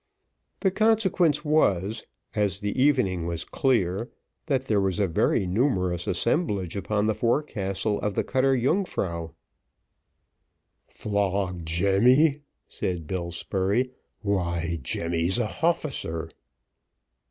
The consequence was, as the evening was clear, that there was a very numerous assemblage upon the forecastle of the cutter Yungfrau. "Flog Jemmy," said Bill Spurey. "Why, Jemmy's a hofficer."